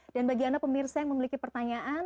dan bagi anda pemirsa yang memiliki pertanyaan